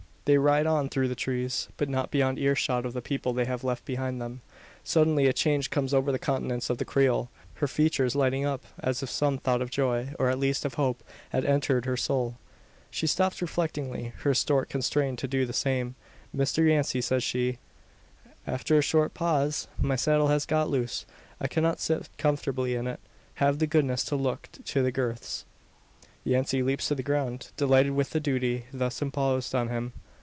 They ride on through the trees but not beyond ear shot of the people they have left behind them. Suddenly a change comes over the countenance of the Creole her features lighting up, as if some thought of joy, or at least of hope, had entered her soul. She stops reflectingly her escort constrained to do the same. "Mr Yancey," says she, after a short pause, "my saddle has got loose. I cannot sit comfortably in it. Have the goodness to look to the girths!" Yancey leaps to the ground, delighted with the duty thus imposed upon him.